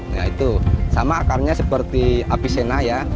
nah itu sama akarnya seperti apisena ya